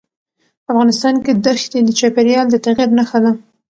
افغانستان کې دښتې د چاپېریال د تغیر نښه ده.